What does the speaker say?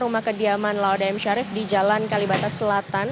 rumah kediaman laudie m sharif di jalan kalibata selatan